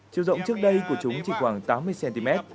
chiều rộng trước đây của chúng chỉ khoảng tám mươi cm